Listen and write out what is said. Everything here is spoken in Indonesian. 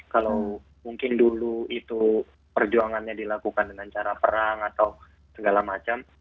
kalau mungkin dulu itu perjuangannya dilakukan dengan cara perang atau segala macam